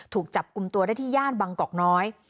ถูกจับกลุ่มตัวได้ที่ย่านบางกอกน้อย